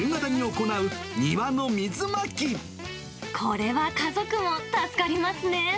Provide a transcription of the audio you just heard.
これは家族も助かりますね。